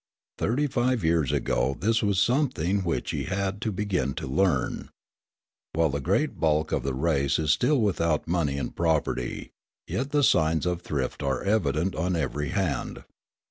Thirty five years ago this was something which he had to begin to learn. While the great bulk of the race is still without money and property, yet the signs of thrift are evident on every hand.